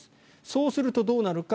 そうするとどうなるか。